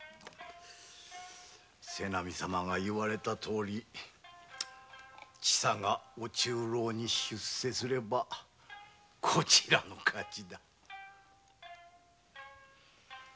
瀬波様の言われたとおり千佐がご中臈に出世すればこちらの勝ちだ。